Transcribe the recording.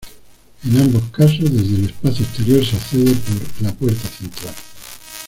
En ambos casos, desde el espacio exterior, se accede por puerta central.